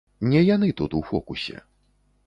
Не яны тут у фокусе.